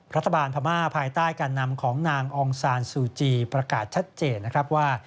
พม่าภายใต้การนำของนางองซานซูจีประกาศชัดเจนนะครับว่า